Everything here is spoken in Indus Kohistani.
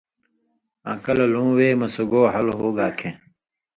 آں کلہۡ لُوں وے مہ سُگو حل ہُوگا کھیں